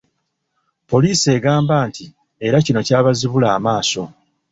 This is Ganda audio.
Poliisi egamba nti era kino kyabazibula amaaso.